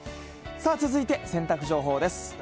さあ、続いて洗濯情報です。